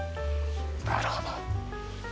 なるほど。